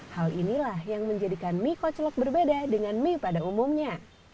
hal inilah yang menjadikan mie kocelok berbeda dengan mie pada umumnya